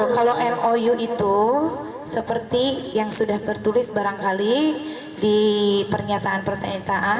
kalau mou itu seperti yang sudah tertulis barangkali di pernyataan pernyataan